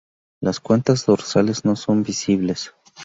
Las cuentas dorsales no son visibles.